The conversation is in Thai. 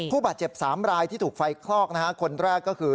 ผู้บาดเจ็บ๓รายที่ถูกไฟคลอกนะฮะคนแรกก็คือ